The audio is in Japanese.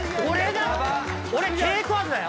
俺稽古後だよ。